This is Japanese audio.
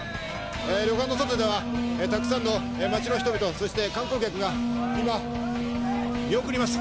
旅館の外では、たくさんの町の人々、そして、観光客がみんな、見送ります。